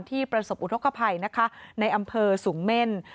ประสบอุทธกภัยนะคะในอำเภอสูงเม่น